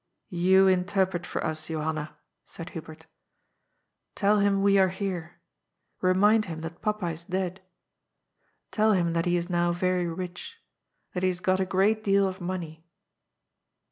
'^ You interpret for us, Johanna," said Hubert. " Tell him we are here. Eemind him that papa is dead. Tell him that he is now very rich. That he has got a great deal of money.